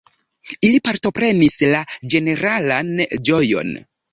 Ili partoprenis la ĝeneralan ĝojon.